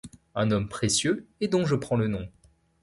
Un homme précieux, et dont je prends le nom.